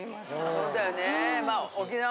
そうだよね。